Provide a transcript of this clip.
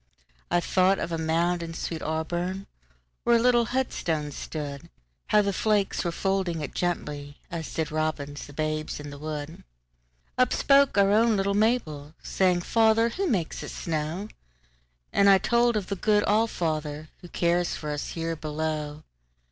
I thought of a mound in sweet AuburnWhere a little headstone stood; How the flakes were folding it gently, As did robins the babes in the wood. Up spoke our own little Mabel, Saying, "Father, who makes it snow?"And I told of the good All fatherWho cares for us here below.